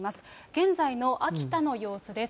現在の秋田の様子です。